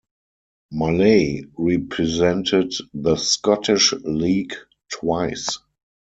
Maley represented the Scottish League twice.